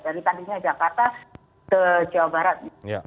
dari tadinya jakarta ke jawa barat